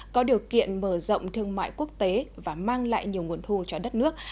có điều kiện mở rộng thương mại quốc tế và mang lại nhiều nguồn thu cho đất nước